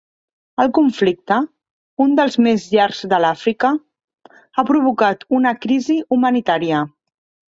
El conflicte, un dels més llargs de l'Àfrica, ha provocat una crisi humanitària.